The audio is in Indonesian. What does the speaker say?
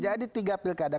jadi tiga pilkada